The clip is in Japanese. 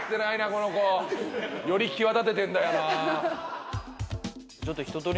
この子。より際立ててんだよな。